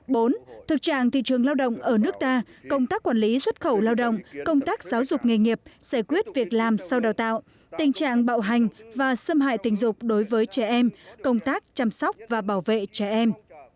bốn thực trạng thị trường lao động ở nước ta công tác quản lý xuất khẩu lao động công tác giáo dục nghề nghiệp giải quyết việc làm sau đào tạo tình trạng bạo hành và xâm hại tình dục đối với trẻ em công tác chăm sóc và bảo vệ trẻ em